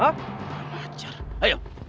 ayo kamu sekarang berhadapan denganku